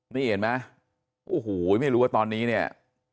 นี่เห็นไหมโอ้โหไม่รู้ว่าตอนนี้เนี่ย